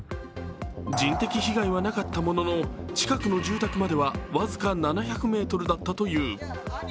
人的被害はなかったものの近くの住宅までは僅か７００ｍだったという。